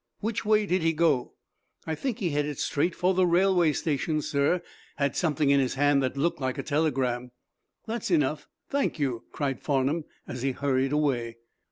"Which way did he go?" "I think he headed straight for the railway station, sir. Had something in his hand that looked like a telegram." "That's enough. Thank you," cried Farnum, as he hurried away.